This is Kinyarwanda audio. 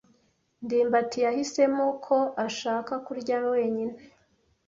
ndimbati yahisemo ko ashaka kurya wenyine.